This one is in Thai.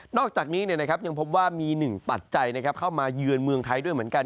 อกจากนี้ยังพบว่ามีหนึ่งปัจจัยเข้ามาเยือนเมืองไทยด้วยเหมือนกัน